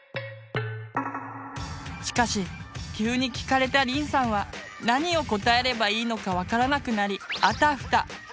しかし急に聞かれたりんさんは何を答えればいいのか分からなくなりあたふた。